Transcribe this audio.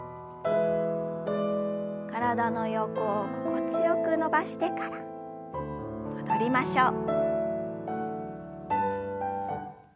体の横を心地よく伸ばしてから戻りましょう。